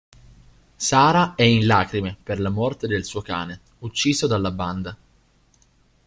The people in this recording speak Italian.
Sarah è in lacrime per la morte del suo cane, ucciso dalla banda.